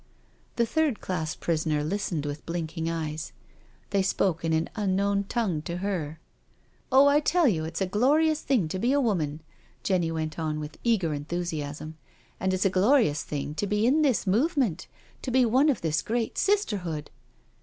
The third class prisoner listened with blinking eyes. They spoke in an unknown tongue to her. " Oh^ I tell you it's a glorious thing to be a woman," Jenny went on with eager enthusiasm. " And it's a glorious thing to be in this movement — to be one of this great Sisterhood.